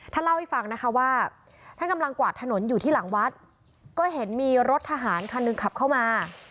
เล่าให้ฟังนะคะว่าท่านกำลังกวาดถนนอยู่ที่หลังวัดก็เห็นมีรถทหารคันหนึ่งขับเข้ามา